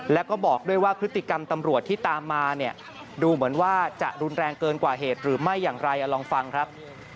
แล้วก็บอกด้วยว่าพฤติกรรมตำรวจที่ตามมาเนี่ยดูเหมือนว่าจะรุนแรงเกินกว่าเหตุหรือไม่อย่างไรลองฟังครับ